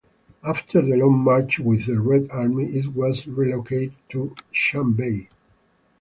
After the Long March with the Red Army, it was relocated to Shanbei.